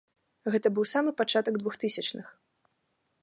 Гэта быў самы пачатак двухтысячных.